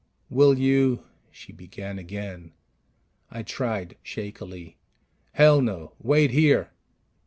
"Will you " she began again. I tried shakily, "Hell, no. Wait here."